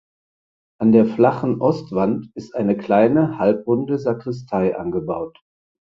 An der flachen Ostwand ist eine kleine halbrunde Sakristei angebaut.